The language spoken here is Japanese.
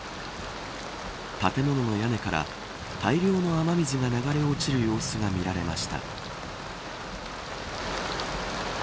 建物の屋根から大量の雨水が流れ落ちる様子が見られました。